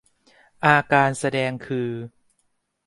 อาการแสดงคือ